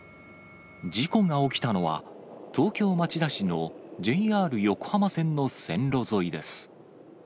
事故が起きたのは、東京・町田市のＪＲ横浜線の線路沿いです。